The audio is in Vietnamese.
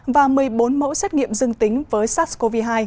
và một mươi bốn mẫu xét nghiệm dương tính với sars cov hai